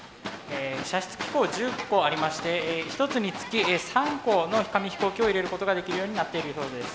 射出機構１０個ありまして１つにつき３個の紙飛行機を入れることができるようになっているそうです。